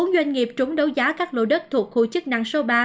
bốn doanh nghiệp trúng đấu giá các lô đất thuộc khu chức năng số ba